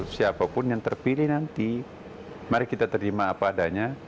siapapun yang terpilih nanti mari kita terima apa adanya